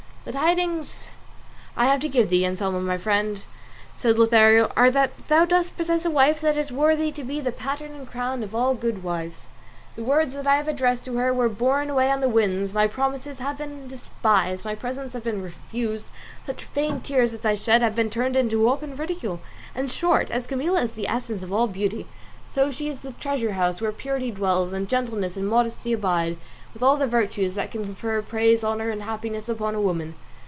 "The tidings I have to give thee, Anselmo my friend," said Lothario, "are that thou dost possess a wife that is worthy to be the pattern and crown of all good wives. The words that I have addressed to her were borne away on the wind, my promises have been despised, my presents have been refused, such feigned tears as I shed have been turned into open ridicule. In short, as Camilla is the essence of all beauty, so is she the treasure house where purity dwells, and gentleness and modesty abide with all the virtues that can confer praise, honour, and happiness upon a woman.